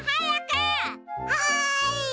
はい！